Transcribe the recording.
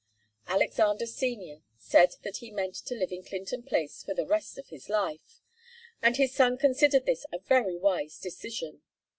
Alexander Senior said that he meant to live in Clinton Place for the rest of his life, and his son considered this a very wise decision.